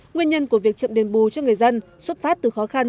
nguyên nhân của việc chậm đền bù cho người dân xuất phát từ khó khăn